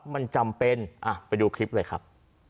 มันจำเป็นไปดูคลิปเลยครับ